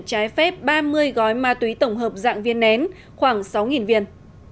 trái phép ba mươi gói ma túy tổng hợp dạng viên nén khoảng sáu viên